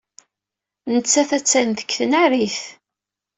Nettat attan deg tnarit.